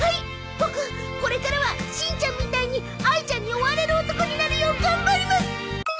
ボクこれからはしんちゃんみたいにあいちゃんに追われる男になるよう頑張ります。